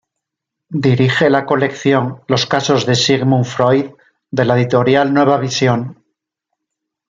Dirige la colección "Los casos de Sigmund Freud" de la Editorial Nueva Visión.